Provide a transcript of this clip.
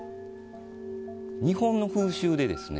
日本の風習でですね